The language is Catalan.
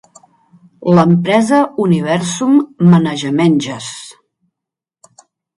L'empresa Universum Managementges.